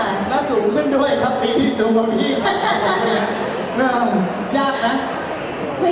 แล้วสูงขึ้นด้วยครับปีที่สูงของพี่